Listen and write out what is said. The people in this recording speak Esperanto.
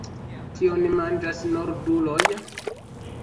Kion manĝas norduloj?